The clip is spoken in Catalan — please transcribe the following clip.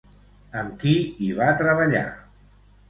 Amb qui hi va treballar?